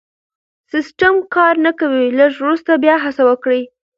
سيسټم کار نه کوي لږ وروسته بیا هڅه وکړئ